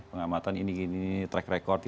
pengamatan ini ini track record